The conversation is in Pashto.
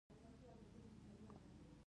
آیا سوالګري مسلک شوی دی؟